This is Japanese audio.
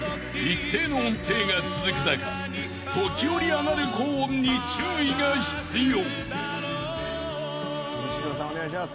［一定の音程が続く中時折上がる高音に注意が必要］